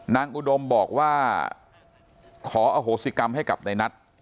นางอุดมบอกว่าขอเอาศิกรรมให้กลับในนัด